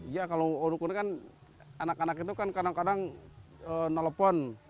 ya kalau rukun kan anak anak itu kan kadang kadang nelfon